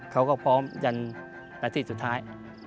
เขาก็พร้อมยันนาทีสุดท้าย